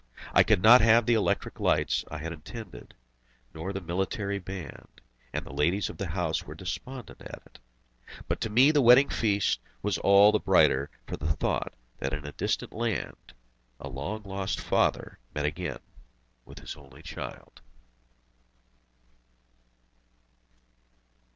I could not have the electric lights I had intended, nor the military band, and the ladies of the house were despondent at it. But to me the wedding feast was all the brighter for the thought that in a distant land a long lost father met again with his only child.